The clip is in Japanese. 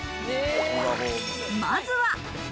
まずは。